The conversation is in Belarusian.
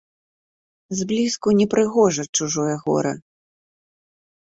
Зблізку непрыгожа чужое гора.